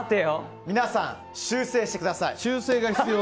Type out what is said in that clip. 皆さん、修正してください。